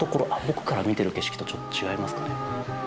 僕から見てる景色とちょっと違いますかね